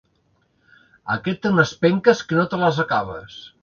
Aquest té unes penques que no te les acabes.